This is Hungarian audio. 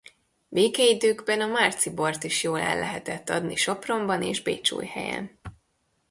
Békeidőkben a márci bort is jól el lehetett adni Sopronban és Bécsújhelyen.